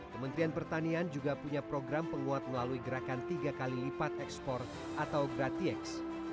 kementerian pertanian juga punya program penguat melalui gerakan tiga kali lipat ekspor atau gratiex